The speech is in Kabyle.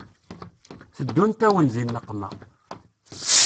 Teddunt-awent di nneqma.